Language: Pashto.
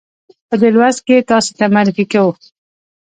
په دې لوست کې یې تاسې ته معرفي کوو.